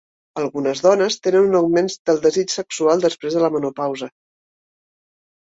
Algunes dones tenen un augment del desig sexual després de la menopausa.